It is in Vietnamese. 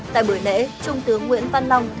tại buổi lễ trung tướng nguyễn văn long